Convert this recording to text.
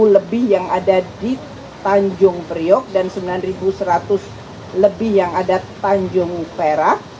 satu lebih yang ada di tanjung priok dan sembilan seratus lebih yang ada tanjung perak